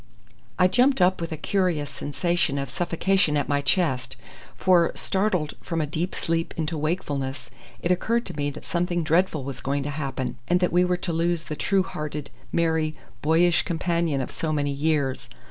I jumped up with a curious sensation of suffocation at my chest, for, startled from a deep sleep into wakefulness, it occurred to me that something dreadful was going to happen, and that we were to lose the true hearted, merry, boyish companion of so many years.